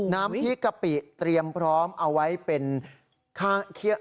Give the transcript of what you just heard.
น้ำพริกกะปิเตรียมพร้อมเอาไว้เป็นข้างเคียด